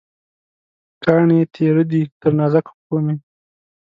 کاڼې تېره دي، تر نازکو پښومې